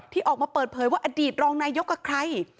ออกมาเปิดเผยว่าอดีตรองนายกกับใคร